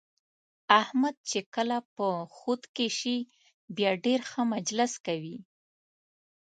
احمد چې کله په خود کې شي بیا ډېر ښه مجلس کوي.